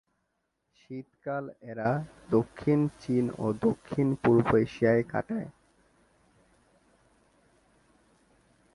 শীতকাল এরা দক্ষিণ চীন ও দক্ষিণ-পূর্ব এশিয়ায় কাটায়।